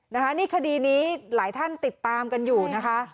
นะคะนี่คดีนี้หลายท่านติดตามกันอยู่นะคะ